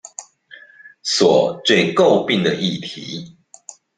所最詬病的議題